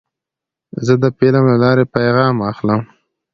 زه د فلم له لارې پیغام اخلم.